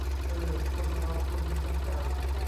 เออ คนเราควรมีน้ำใจ